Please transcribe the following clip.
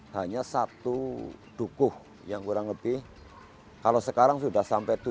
hanya satu dukuh yang kurang lebih kalau sekarang sudah sampai tujuh puluh lima an kakak